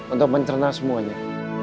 untuk mencerna semuanya